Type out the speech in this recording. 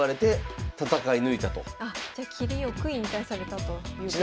あっじゃ切り良く引退されたということなんですね。